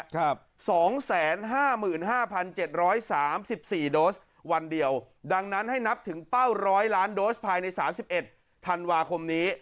ครับ๒๕๕๗๓๔โดสวันเดียวดังนั้นให้นับถึงเป้าร้อยล้านโดสภายใน๓๑ธันวาคมนี้